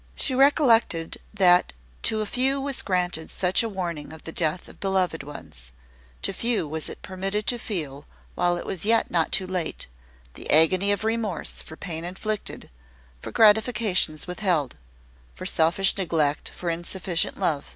She reflected that to few was granted such a warning of the death of beloved ones: to few was it permitted to feel, while it was yet not too late, the agony of remorse for pain inflicted, for gratifications withheld; for selfish neglect, for insufficient love.